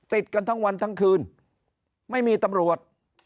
ติดกันทั้งวันทั้งคืนไม่มีตำรวจ